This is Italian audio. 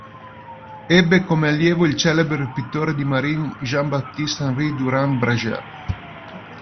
Ebbe come allievo il celebre pittore di marine Jean-Baptiste Henri Durand-Brager.